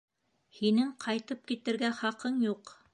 Һинең ҡайтып китергә хаҡың юҡ.